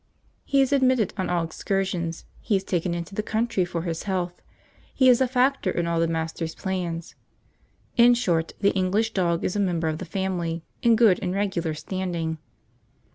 He is admitted on all excursions; he is taken into the country for his health; he is a factor in all the master' plans; in short, the English dog is a member of the family, in good and regular standing.